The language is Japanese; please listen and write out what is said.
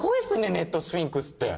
ネットスフィンクスって。